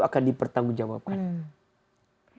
akan dipertanggung jawabkan